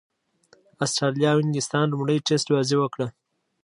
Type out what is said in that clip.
اسټراليا او انګليستان لومړۍ ټېسټ بازي وکړه.